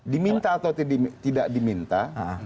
diminta atau tidak diminta